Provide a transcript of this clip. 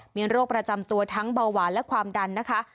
มีโรคประจำตัวทั้งเบาหวานและความดันนะคะ